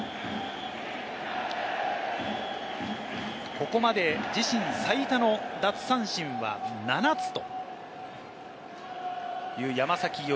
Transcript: ここまで自身最多の奪三振は７つという山崎伊織。